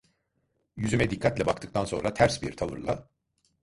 Yüzüme dikkatle baktıktan sonra, ters bir tavırla: